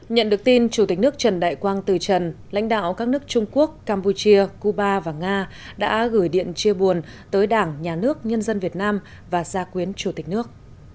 nhận được tin chủ tịch nước trần đại quang từ trần lãnh đạo các nước trung quốc campuchia cuba và nga đã gửi điện chia buồn tới đảng nhà nước nhân dân việt nam và ra quyến chủ tịch nước